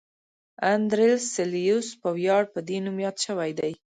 اندرلس سلسیوس په ویاړ په دې نوم یاد شوی دی.